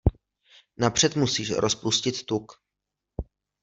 Napřed musíš rozpustit tuk.